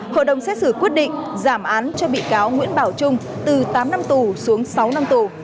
hội đồng xét xử quyết định giảm án cho bị cáo nguyễn bảo trung từ tám năm tù xuống sáu năm tù